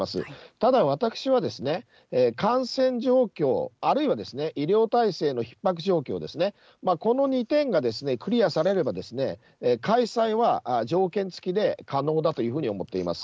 ただ私はですね、感染状況、あるいは医療体制のひっ迫状況ですね、この２点がですね、クリアされれば、開催は条件付きで可能だというふうに思っています。